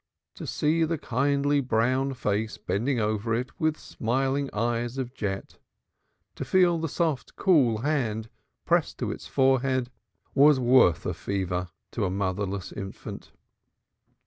To see the kindly brown face bending over it with smiling eyes of jet, to feel the soft, cool hand pressed to its forehead, was worth a fever to a motherless infant.